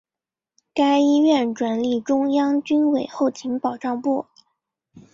该医院转隶中央军委后勤保障部。